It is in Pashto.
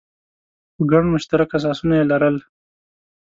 خو ګڼ مشترک اساسونه یې لرل.